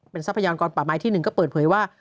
ทรัพยากรป่าไม้ที่๑ก็เปิดเผยว่า